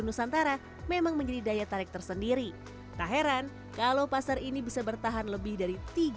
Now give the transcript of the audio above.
nusantara memang menjadi daya tarik tersendiri tak heran kalau pasar ini bisa bertahan lebih dari